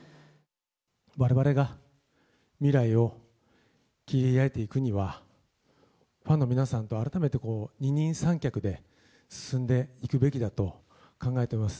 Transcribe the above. われわれが未来を切り開いていくには、ファンの皆さんと改めて二人三脚で進んでいくべきだと考えてます。